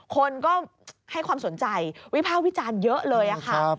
คนก็ให้ความสนใจวิภาควิจารณ์เยอะเลยค่ะ